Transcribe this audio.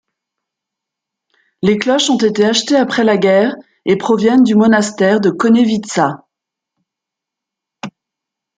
Les cloches ont été achetées après la guerre et proviennent du Monastère de Konevitsa.